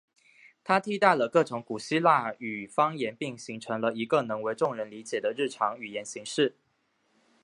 它替代了各种古希腊语方言并形成了一个能为众人理解的日常语言形式。